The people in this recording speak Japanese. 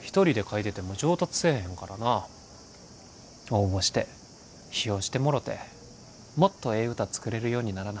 応募して批評してもろてもっとええ歌作れるようにならな。